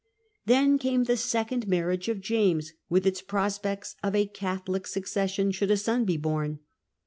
Then came the second marriage of James, with its pi Aspects of a Catholic succession should a son be born.